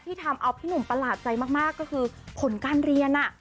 ที่ทำจะเป็นนพี่หนุ่มประหลาดใจมากมากก็คือผลการเรียนอ่ะ